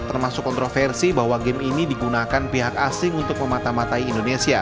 termasuk kontroversi bahwa game ini digunakan pihak asing untuk memata matai indonesia